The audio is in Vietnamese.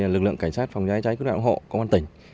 lực lượng cảnh sát phòng cháy chữa cháy cầu nạn cầu hộ công an tỉnh